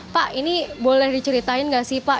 pak ini boleh diceritain nggak sih pak